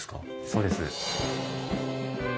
そうです。